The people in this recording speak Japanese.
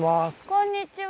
こんにちは。